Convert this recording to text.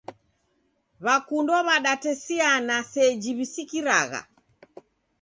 Wakundwa wadatesiana seji wisikiragha.